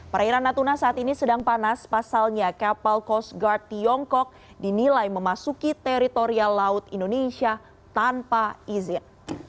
perairan natuna saat ini sedang panas pasalnya kapal coast guard tiongkok dinilai memasuki teritorial laut indonesia tanpa izin